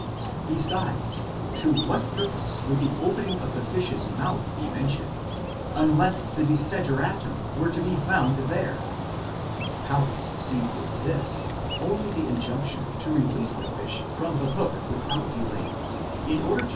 %° Besides, to what purpose would the opening of the fish's mouth be mentioned, unless the desideratum were to be found there? Paulus sees in this only the injunction to release the fish from the hook without delay, in order to keep 27 See the examples in Wetstein, in loc.